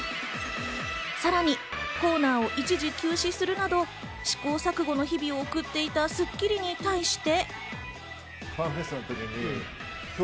さらにコーナーを一時休止するなど、試行錯誤の日々を送っていた『スッキリ』に対して。